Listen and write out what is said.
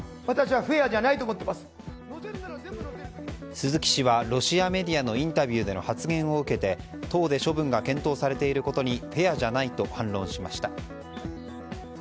鈴木氏はロシアメディアのインタビューでの発言を受けて党で処分が検討されていることにフェアじゃないと反論しました。